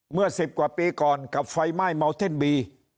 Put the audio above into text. เมื่อ๑๐กว่าปีก่อนกับไฟไหม้เมาเท่นบี